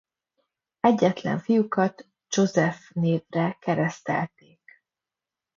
Egyetlen fiukat Joseph névre keresztelték.